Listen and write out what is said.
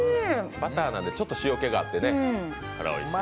バターなんでちょっと塩気があって、おいしい。